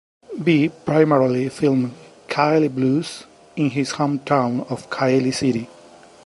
Bi primarily filmed "Kaili Blues" in his hometown of Kaili City.